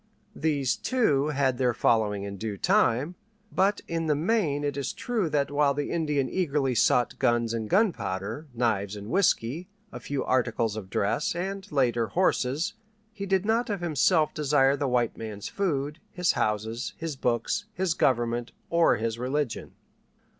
These, too, had their following in due time. But in the main it is true that while the Indian eagerly sought guns and gunpowder, knives and whiskey, a few articles of dress, and, later, horses, he did not of himself desire the white man's food, his houses, his books, his government, or his religion.